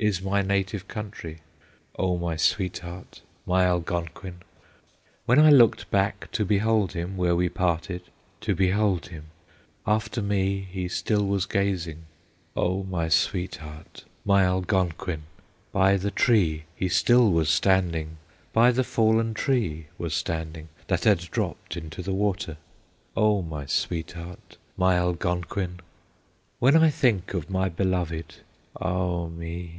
is my native country, O my sweetheart, my Algonquin!' "When I looked back to behold him, Where we parted, to behold him, After me he still was gazing, O my sweetheart, my Algonquin! "By the tree he still was standing, By the fallen tree was standing, That had dropped into the water, O my sweetheart, my Algonquin! "When I think of my beloved, Ah me!